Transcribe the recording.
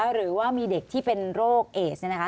หรือว่ามีเด็กที่เป็นโรคเอสเนี่ยนะคะ